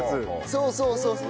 そうそうそうそう。